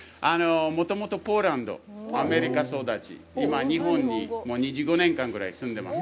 もともとポーランド、アメリカ育ち、今、日本にもう２５年間ぐらい住んでいます。